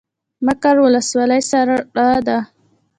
مقر ولسوالۍ سړه ده؟